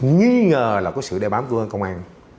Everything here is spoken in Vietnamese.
nghĩ ngờ là có sự đe bám của công an